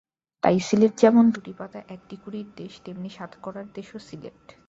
তাই সিলেট যেমন দুটি পাতা একটি কুঁড়ির দেশ, তেমনি সাতকড়ার দেশও সিলেট।